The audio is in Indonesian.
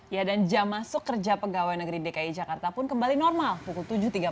ya dan jam masuk kerja pegawai negeri dki jakarta pun kembali normal pukul tujuh tiga puluh